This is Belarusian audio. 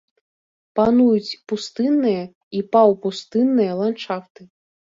Пануюць пустынныя і паўпустынныя ландшафты.